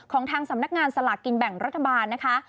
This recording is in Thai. ของทางสำนักงานสลากกินแบ่งรัฐบาลนะคะ